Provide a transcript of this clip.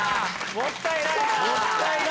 もったいないね